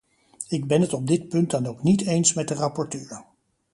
Ik ben het op dit punt dan ook niet eens met de rapporteur.